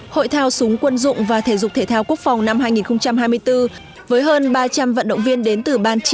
hội thao súng quân dụng và thể dục thể thao quốc phòng năm hai nghìn hai mươi bốn với hơn ba trăm linh vận động viên đến từ ban chỉ